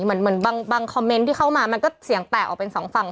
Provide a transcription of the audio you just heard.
เหมือนบางคอมเมนต์ที่เข้ามามันก็เสียงแตกออกเป็นสองฝั่ง